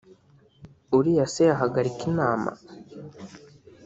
uriya se yahagarika inama